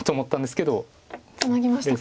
ツナぎましたか。